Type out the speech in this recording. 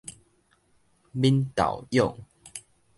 敏豆蛹